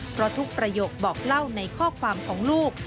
เพราะทุกประโยคบอกเล่าในข้อความของลูก